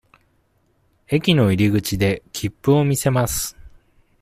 駅の入口で切符を見せます。